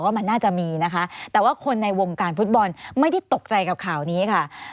ว่ามันน่าจะมีนะคะแต่ว่าคนในวงการฟุตบอลไม่ได้ตกใจกับข่าวนี้ค่ะ